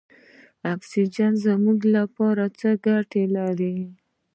اکسیجن زموږ لپاره څه ګټه لري.